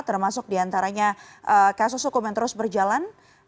termasuk diantaranya kasus hukum yang terus berjalan